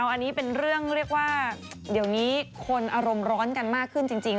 อันนี้เป็นเรื่องเรียกว่าเดี๋ยวนี้คนอารมณ์ร้อนกันมากขึ้นจริง